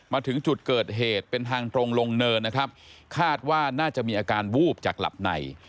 มาถึงจุดเกิดเหตุเป็นทางตรงลงเนินนะครับคาดว่าน่าจะมีอาการวูบจากหลับใน